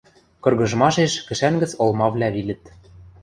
Кыргыжмашеш кӹшӓн гӹц олмавлӓ вилӹт.